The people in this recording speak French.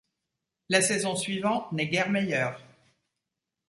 La saison suivante n'est guère meilleure.